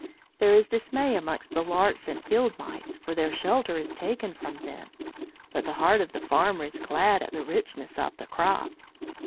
There is dismay amongst the larks and field mice, for their shelter is taken from them; but the heart of the farmer is glad at the richness of the crop.